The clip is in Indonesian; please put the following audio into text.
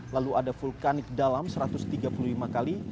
lalu ada vulkanik dalam satu ratus tiga puluh lima kali